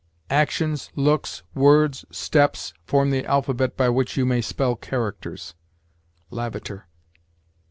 "Actions, looks, words, steps, form the alphabet by which you may spell characters." Lavater.